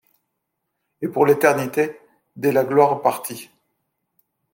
Et pour l'éternité. dé la gloire partis